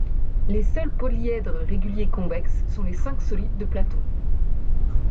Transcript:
Les seuls polyèdres réguliers convexes sont les cinq solides de Platon.